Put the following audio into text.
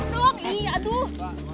lepasin dong iya aduh